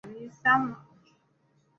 下关穴是属于足阳明胃经的腧穴。